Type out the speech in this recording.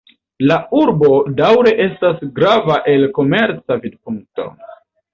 La urbo daŭre estas grava el komerca vidpunkto.